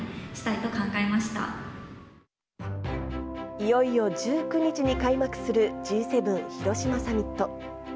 いよいよ１９日に開幕するＧ７広島サミット。